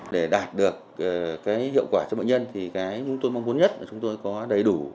để đạt được cái hiệu quả cho bệnh nhân thì cái tôi mong muốn nhất là chúng tôi có đầy đủ